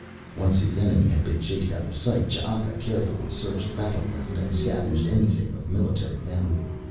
Once his enemy had been chased out of sight Ch'aka carefully searched the battleground and scavenged anything of military value.